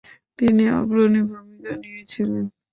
তিনি অগ্রণী ভূমিকা নিয়েছিলেন।